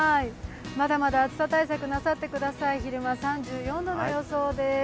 まだまだ暑さ対策なさってください、昼間、３４度の予想です。